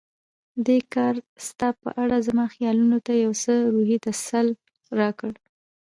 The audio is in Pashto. دې کار ستا په اړه زما خیالونو ته یو څه روحي تسل راکړ.